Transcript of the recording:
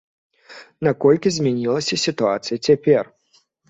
Наколькі змянілася сітуацыя цяпер?